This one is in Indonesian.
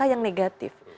angka yang negatif